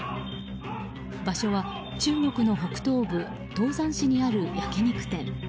場所は中国の北東部唐山市にある焼き肉店。